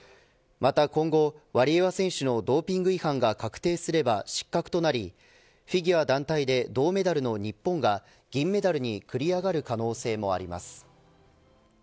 また今後、ワリエワ選手のドーピング違反が確定すれば失格となりフィギュア団体で銅メダルの日本が銀メダルに繰り上がる可能性もあります。